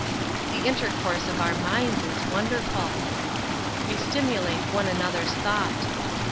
The intercourse of our minds is wonderful. We stimulate one another's thought.